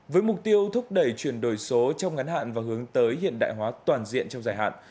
với mục tiêu thúc đẩy chuyển đổi số trong ngắn hạn và hướng tới hiện đại hóa toàn diện trong dài hạn